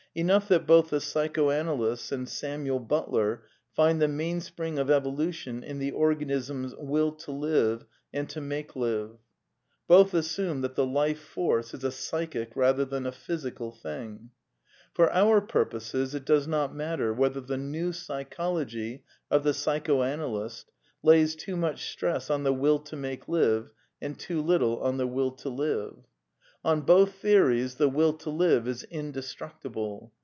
Enough that both the psychoanalysts and Samuel Butler find the main spring of evolution in the organism's Will to live and to " make live. Both assume that the Life Force is a psychic rather than a physical thing. "^— For our purposes it does not matter whether the New Psychology of the psychoanalyst lays too much stress on the Will to make live and too little on the Will to live. On PAN PSYCHISM OF SAMUEL BUTLER 5 both theories the Will to live is indestructible.